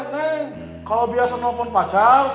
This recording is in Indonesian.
neng kalo biasa telfon pacar